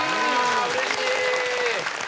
うれしい！